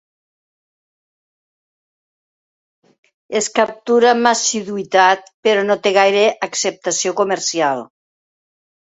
Es captura amb assiduïtat però no té gaire acceptació comercial.